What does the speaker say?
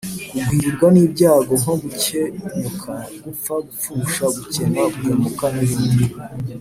kugwirirwa n' ibyago nko gukenyuka, gupfa, gupfusha, gukena, guhemuka, n'ibindi